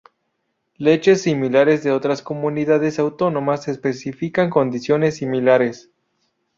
Leyes similares de otras comunidades autónomas especifican condiciones similares.